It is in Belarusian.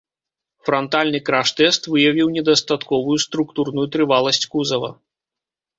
Франтальны краш-тэст выявіў недастатковую структурную трываласць кузава.